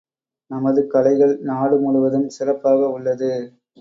நமது கலைகள் நாடு முழுவதும் சிறப்பாக உள்ளது!